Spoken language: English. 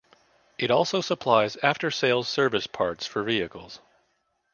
It also supplies after-sales service parts for vehicles.